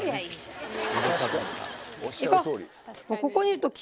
ここにいると。